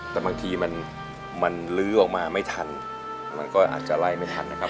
แต่บางทีมันลื้อออกมาไม่ทันมันก็อาจจะไล่ไม่ทันนะครับ